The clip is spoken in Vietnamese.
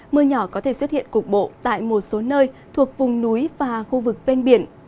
mưa nhỏ có thể xuất hiện cục bộ tại một số nơi thuộc vùng núi và khu vực ven biển